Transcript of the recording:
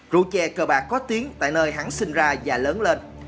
rượu che cờ bạc có tiếng tại nơi hắn sinh ra và lớn lên